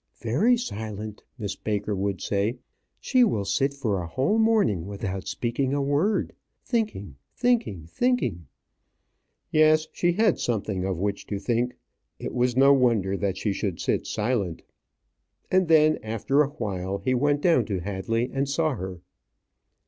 "Very silent," Miss Baker would say. "She will sit for a whole morning without speaking a word; thinking thinking thinking." Yes; she had something of which, to think. It was no wonder that she should sit silent. And then after a while he went down to Hadley, and saw her.